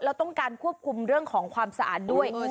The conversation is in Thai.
แล้วต้องการควบคุมเรื่องของความสะอาดด้วย